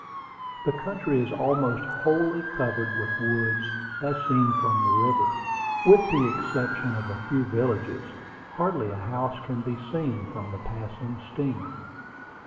The country is almost wholly covered with woods, as seen from the river. With the exception of a few villages, hardly a house can be seen from the passing steamer.